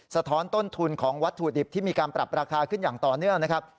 สะท้อนต้นทุนของวัตถุดิบที่มีการปรับราคาขึ้นอย่างต่อเนื่องนะครับ